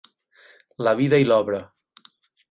La vida i l'obra.